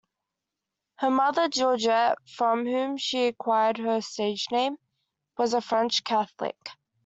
Her mother, Georgette, from whom she acquired her stage name, was a French Catholic.